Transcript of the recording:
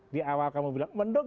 di awal kamu bilang mendung